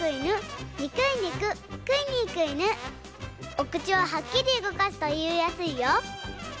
おくちをはっきりうごかすといいやすいよ。